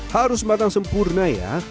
harus matang sempurna ya